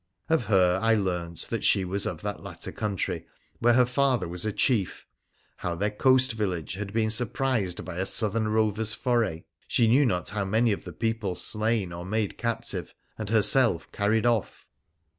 Of her I learnt she was of that latter country, where her father was a chief; how their coast village had been surprised by a Southern rover's foray ; she knew not how many of the people slain or made captive, and herself carried off.